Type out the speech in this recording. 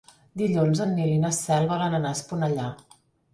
Dilluns en Nil i na Cel volen anar a Esponellà.